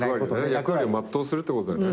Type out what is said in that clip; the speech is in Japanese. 役割を全うするってことだよね。